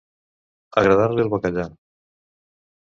Agradar-li el bacallà.